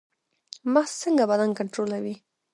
مغز څنګه بدن کنټرولوي؟